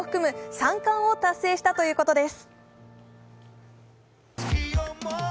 ３冠を達成したということです。